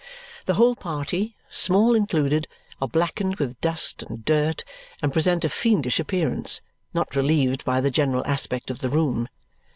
The whole party, Small included, are blackened with dust and dirt and present a fiendish appearance not relieved by the general aspect of the room.